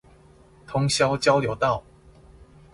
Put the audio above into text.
通霄交流道